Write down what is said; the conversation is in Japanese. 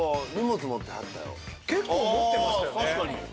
結構持ってましたよねああ